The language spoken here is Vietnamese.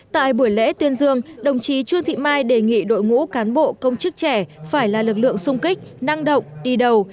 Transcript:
tại buổi lễ tuyên dương đồng chí trương thị mai đề nghị đội ngũ cán bộ công chức trẻ phải là lực lượng sung kích năng động đi đầu